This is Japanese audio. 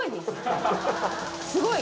すごい。